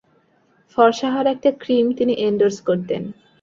ফরসা হওয়ার একটা ক্রিম তিনি এনডর্স করতেন।